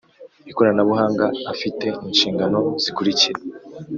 Ikoranabuhanga afite inshingano zikurikira